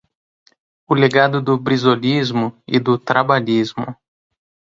O legado do brizolismo e do trabalhismo